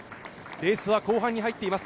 レースは後半に入っています。